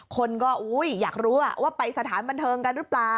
คนก็อยากรู้ว่าไปสถานบันเทิงกันหรือเปล่า